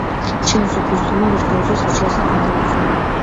ჩანს, უფლისწულმა ვერ გაუძლო სასჯელს და გარდაიცვალა.